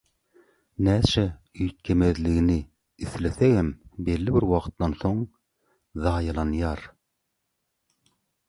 näçe üýtgemezligini islesegem belli bir wagtdan soň zaýalanýar.